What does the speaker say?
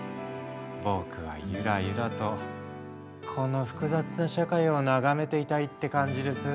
僕はゆらゆらとこの複雑な社会を眺めていたいって感じです。